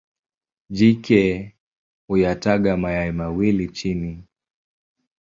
Jike huyataga mayai mawili chini.